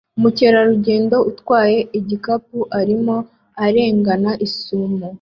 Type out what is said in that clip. Umukerarugendo utwaye igikapu arimo arengana isumo